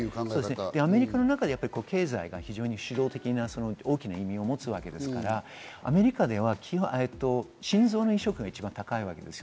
アメリカの中で経済が非常に主導的な大きな意味を持つわけですから、アメリカでは心臓の移植が一番高いわけです。